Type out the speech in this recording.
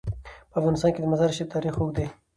په افغانستان کې د مزارشریف تاریخ اوږد دی.